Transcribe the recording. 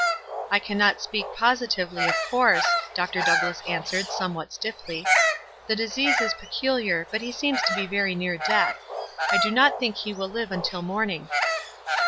"I cannot speak positively of course," Dr. Douglass answered, somewhat stifrhy. "The disease is peculiar, but he seems to be very near death. I do not think he will live until morn ing."